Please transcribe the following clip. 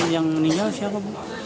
yang meninggal siapa ibu